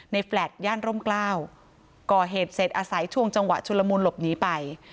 แฟลต์ย่านร่มกล้าวก่อเหตุเสร็จอาศัยช่วงจังหวะชุลมูลหลบหนีไป